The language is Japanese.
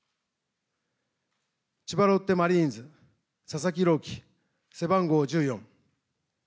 千葉ロッテマリーンズ佐々木朗希、背番号１４。